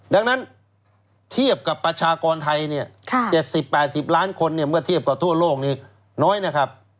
ดังนั้นเทียบกับประชากรไทยเนี่ย๗๐๘๐ล้านคนเมื่อเทียบกับทั่วโลกนี้น้อยนะครับ